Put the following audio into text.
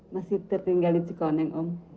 masih tertinggal di cikoneng